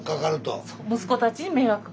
息子たちに迷惑。